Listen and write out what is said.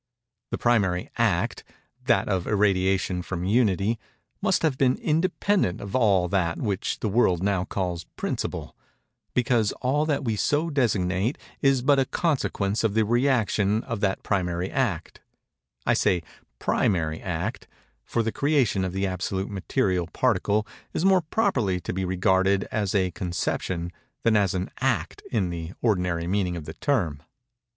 The primary act—that of Irradiation from Unity—must have been independent of all that which the world now calls "principle"—because all that we so designate is but a consequence of the rëaction of that primary act:—I say "primary" act; for the creation of the absolute material particle is more properly to be regarded as a conception than as an "act" in the ordinary meaning of the term.